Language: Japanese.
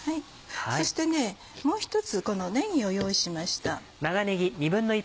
そしてもう一つこのねぎを用意しました。